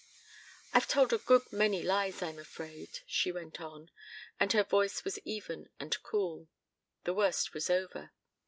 "I've told a good many lies, I'm afraid," she went on, and her voice was even and cool. The worst was over.